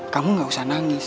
kamu gak usah nangis